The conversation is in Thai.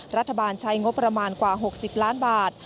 รัฐบาลใช้งบประมาณกว่า๖๐ล้านบาท